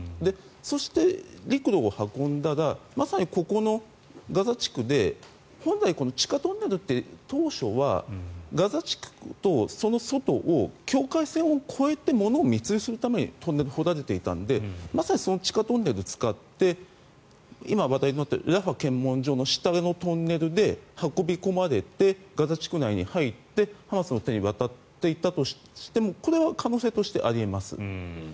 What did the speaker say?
そして、陸路を運んだらまさにここのガザ地区で本来この地下トンネルって当初はガザ地区とその外を境界線を越えて物を密輸するためにトンネルが掘られていたのでまさにその地下トンネルを使って今話題になっているラファ検問所の下のトンネルで運び込まれてガザ地区内に入ってハマスの手に渡っていたとしてもこれは可能性としてあり得ます。